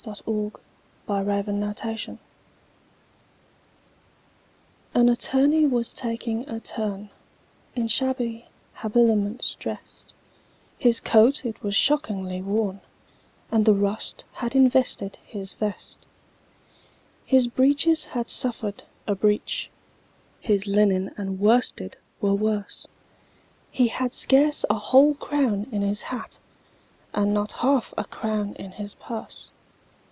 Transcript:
THE BRIEFLESS BARRISTER A BALLAD N Attorney was taking a turn, In shabby habiliments drest; His coat it was shockingly worn, And the rust had invested his vest. His breeches had suffered a breach, His linen and worsted were worse; He had scarce a whole crown in his hat, And not half a crown in his purse.